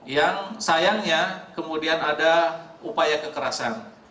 yang sayangnya kemudian ada upaya kekerasan